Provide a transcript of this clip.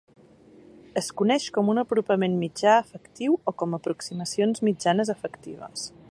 Es coneix com un apropament mitjà efectiu o com aproximacions mitjanes efectives.